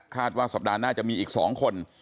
ว่าสัปดาห์หน้าจะมีอีก๒คน